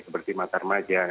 seperti matar maja